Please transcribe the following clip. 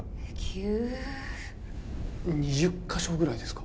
急２０か所ぐらいですか？